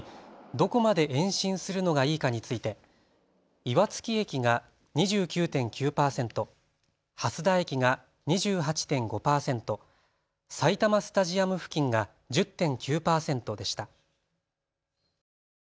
どこまで延伸するのがいいかについて岩槻駅が２９．９％、蓮田駅が２８．５％、埼玉スタジアム付近が１０．９％でした。